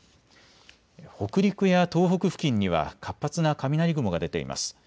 北陸や東北付近には活発な雷雲が出ています。